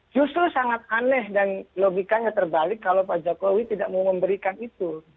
justru sangat aneh dan logikanya terbalik kalau pak jokowi tidak mau memberikan itu